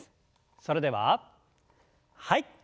それでははい。